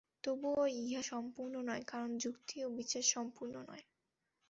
তবুও ইহা সম্পূর্ণ নয়, কারণ যুক্তি ও বিচার সম্পূর্ণ নয়।